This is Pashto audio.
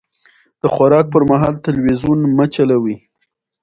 د خوراک پر مهال تلويزيون مه چلوئ.